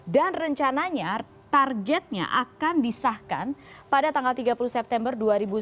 dan rencananya targetnya akan disahkan pada tanggal tiga puluh september dua ribu sembilan belas